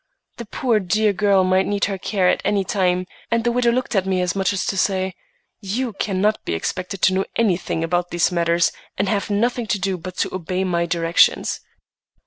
The poor, dear girl might need her care at any time, and the widow looked at me as much as to say, "You cannot be expected to know anything about these matters, and have nothing to do but obey my directions."